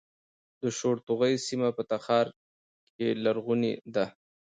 د شورتوغۍ سیمه په تخار کې لرغونې ده